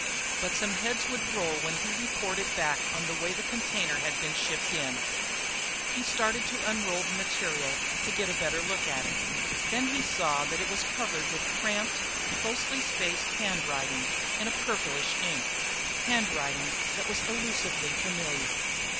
But some heads would roll when he reported back on the way the container had been shipped in. He started to unroll the material to get a better look at it, then he saw that it was covered with cramped, closely spaced handwriting in a purplish ink handwriting that was elusively familiar.